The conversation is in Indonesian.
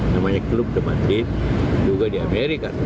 namanya klub teman tim juga di amerika